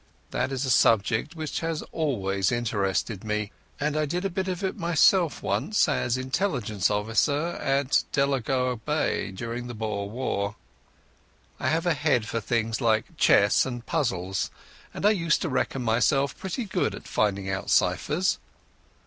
That is a subject which has always interested me, and I did a bit at it myself once as intelligence officer at Delagoa Bay during the Boer War. I have a head for things like chess and puzzles, and I used to reckon myself pretty good at finding out cyphers.